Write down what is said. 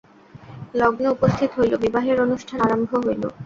লগ্ন উপস্থিত হইল, বিবাহের অনুষ্ঠান আরম্ভ হইল।